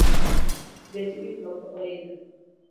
Bech gikmoko oidho